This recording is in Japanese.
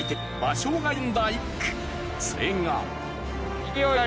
それが。